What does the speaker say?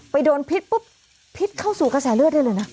โดนพิษปุ๊บพิษเข้าสู่กระแสเลือดได้เลยนะ